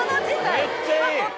めっちゃいい！